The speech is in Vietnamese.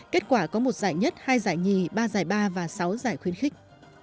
kết quả có một giải nhất hai giải nhì ba giải ba và sáu giải khuyến khích